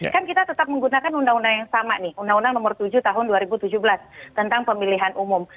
kan kita tetap menggunakan undang undang yang sama nih undang undang nomor tujuh tahun dua ribu tujuh belas tentang pemilihan umum